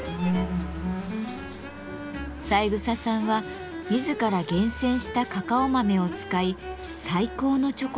三枝さんは自ら厳選したカカオ豆を使い最高のチョコレートを目指します。